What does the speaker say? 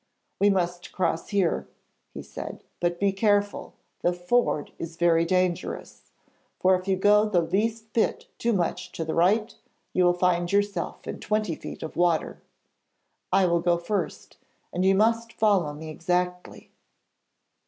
'We must cross here,' he said. 'But be careful. The ford is very dangerous, for if you go the least bit too much to the right, you will find yourself in twenty feet of water. I will go first, and you must follow me exactly.'